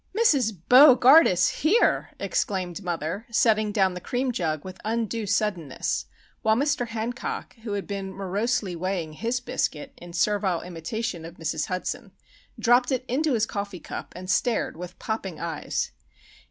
"Mrs. Bo gardus! here!" exclaimed mother, setting down the cream jug with undue suddenness; while Mr. Hancock, who had been morosely weighing his biscuit in servile imitation of Mrs. Hudson, dropped it into his coffee cup, and stared with popping eyes.